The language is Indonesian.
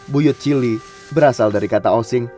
buyut cili berasal dari kata osing